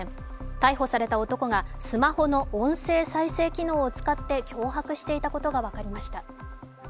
逮捕された男がスマホの音声再生機能を使って脅迫していたことが分かりました。